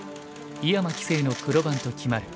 井山棋聖の黒番と決まる。